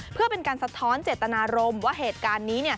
เพื่อเป็นการสะท้อนเจตนารมณ์ว่าเหตุการณ์นี้